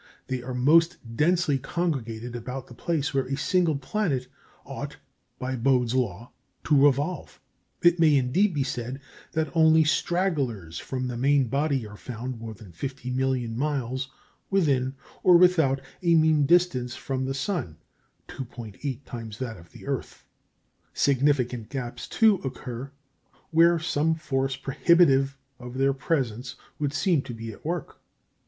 They are most densely congregated about the place where a single planet ought, by Bode's Law, to revolve; it may indeed be said that only stragglers from the main body are found more than fifty million miles within or without a mean distance from the sun 2·8 times that of the earth. Significant gaps, too, occur where some force prohibitive of their presence would seem to be at work.